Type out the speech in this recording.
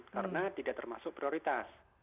karena tidak termasuk prioritas